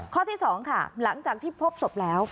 ข้อที่๒ค่ะหลังจากที่พบศพแล้ว